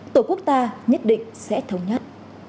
tổ quốc ta nhất định sẽ thống nhất